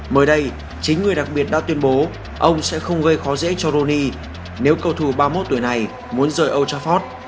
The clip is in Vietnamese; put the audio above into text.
mới đây chính người đặc biệt đã tuyên bố ông sẽ không gây khó dễ cho rooney nếu cầu thủ ba mươi một tuổi này muốn rời old trafford